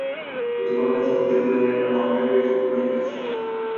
কিন্তু বাংলাদেশে তো পুলিশবাহিনীর একটা মাউন্টেড রেজিমেন্ট আছে।